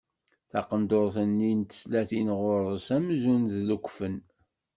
Taqendurt-nni n teslatin ɣur-s amzun d lekfen.